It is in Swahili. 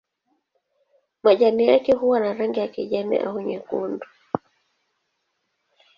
Majani yake huwa na rangi ya kijani au nyekundu.